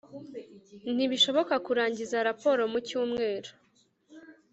ntibishoboka kurangiza raporo mucyumweru